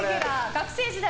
学生時代